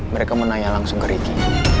mereka menanya langsung ke ricky